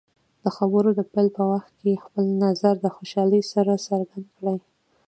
د خبرو د پیل په وخت کې خپل نظر د خوشحالۍ سره څرګند کړئ.